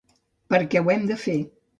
Perquè ho hem de fer.